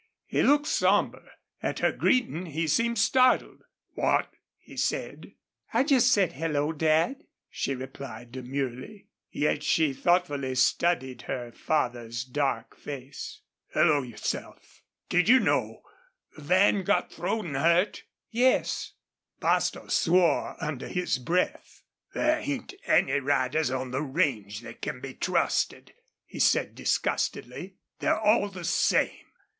He looked somber. At her greeting he seemed startled. "What?" he said. "I just said, 'Hello, Dad,'" she replied, demurely. Yet she thoughtfully studied her father's dark face. "Hello yourself.... Did you know Van got throwed an' hurt?" "Yes." Bostil swore under his breath. "There ain't any riders on the range thet can be trusted," he said, disgustedly. "They're all the same.